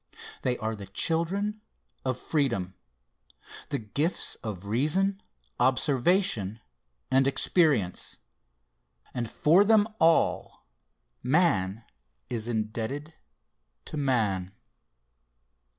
They are the children of freedom, the gifts of reason, observation and experience and for them all, man is indebted to man.